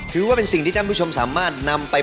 ถือว่าเป็นสิ่งที่ท่านผู้ชมสามารถนำไป